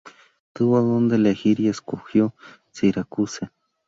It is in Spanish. Tuvo donde elegir, y escogió Syracuse.